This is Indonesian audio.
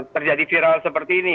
terjadi viral seperti ini